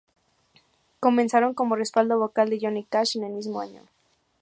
Comenzaron como respaldo vocal de Johnny Cash en el mismo año.